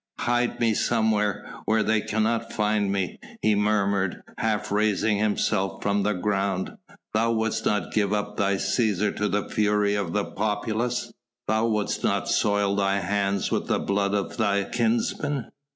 "Hide me somewhere where they cannot find me" he murmured, half raising himself from the ground. "Thou wouldst not give up thy Cæsar to the fury of the populace ... thou wouldst not soil thy hands with the blood of thy kinsman..."